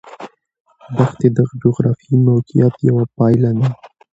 دښتې د جغرافیایي موقیعت یوه پایله ده.